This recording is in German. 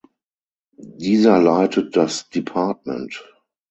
Dieser leitet das Department.